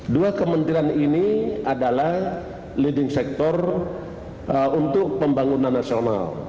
dua kementerian ini adalah leading sector untuk pembangunan nasional